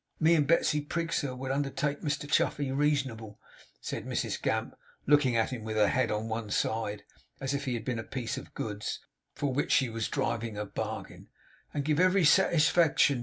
Me and Betsey Prig, sir, would undertake Mr Chuffey reasonable,' said Mrs Gamp, looking at him with her head on one side, as if he had been a piece of goods, for which she was driving a bargain; 'and give every satigefaction.